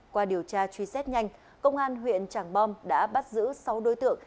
qua điều tra truy xét nhanh công an huyện trảng bom đã bắt giữ sáu đối tượng